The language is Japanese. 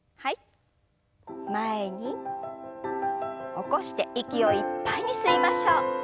起こして息をいっぱいに吸いましょう。